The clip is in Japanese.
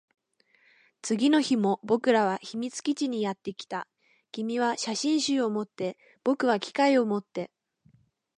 次の日も僕らは秘密基地にやってきた。君は写真集を持って、僕は機械を持って。